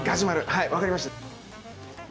はい分かりました。